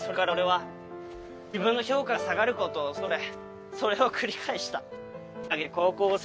それから俺は自分の評価が下がることを恐れそれを繰り返した。